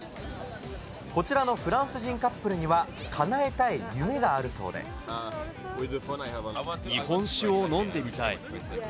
こちらのフランス人カップル日本酒を飲んでみたい。